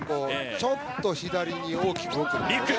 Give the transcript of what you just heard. ちょっと左に大きく奥へ。